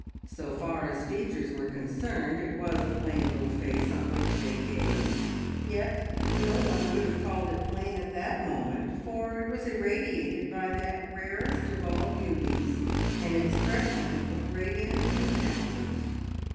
So far as features were concerned, it was a plain little face on which they gazed; yet no one could have called it plain at that moment, for, it was irradiated by that rarest of all beauties, an expression of radiant contentment.